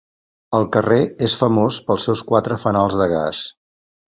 El carrer és famós pels seus quatre fanals de gas.